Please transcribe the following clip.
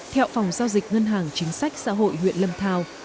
theo phòng giao dịch ngân hàng chính sách xã hội huyện lâm thao